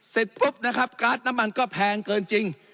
เสร็จปุ๊บนะครับการ์ดน้ำมันก็แพงเกินจริง